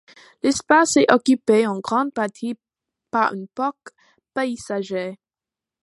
L'espace est occupé en grande partie par un parc paysager.